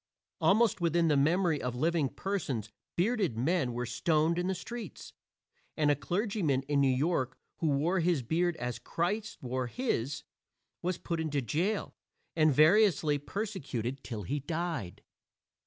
Almost within the memory of living persons bearded men were stoned in the streets; and a clergyman in New York who wore his beard as Christ wore his, was put into jail and variously persecuted till he died.